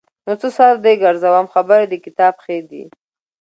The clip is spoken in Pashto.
خو څه سر دې ګرځوم خبرې د کتاب ښې دي.